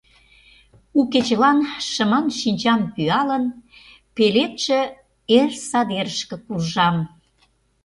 У кечылан шыман шинчам пӱалын, Пеледше эр садерышке куржам.